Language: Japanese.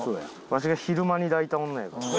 わしが昼間に抱いた女や。